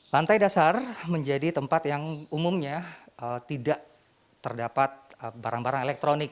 lantai dasar menjadi tempat yang umumnya tidak terdapat barang barang elektronik